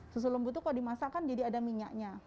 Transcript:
susu lembut itu kalau dimasak kan jadi ada minyaknya